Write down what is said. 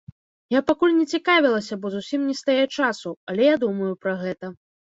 Я пакуль не цікавілася, бо зусім не стае часу, але я думаю пра гэта.